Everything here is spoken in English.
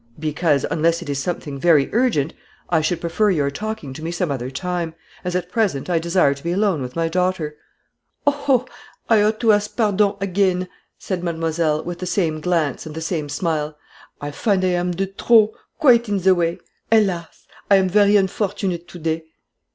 "Because, unless it is something very urgent, I should prefer your talking to me some other time; as, at present, I desire to be alone with my daughter." "Oh, ho! I ought to ask pardon again," said mademoiselle, with the same glance, and the same smile. "I find I am de trop quite in the way. Hélas! I am very unfortunate today."